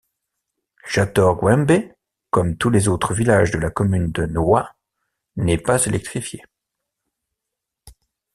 Jator-Gwembe, comme tous les autres villages de la commune de Nwa, n'est pas électrifié.